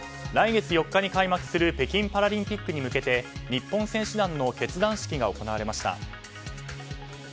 来月４日に開幕する北京パラリンピックに向けて日本選手団の結団式が行われました。